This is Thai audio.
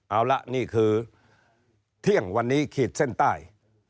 เอาละนี่คือเที่ยงวันนี้ขีดเส้นใต้